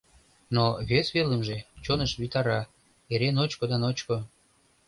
Но вес велымже — чоныш витара: эре ночко да ночко!